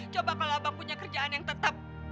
coba kalau abang punya kerjaan yang tetap